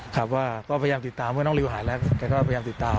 ครับว่าก็พยายามติดตามเมื่อน้องหลิวหายแล้วแต่ก็พยายามติดตามนะครับ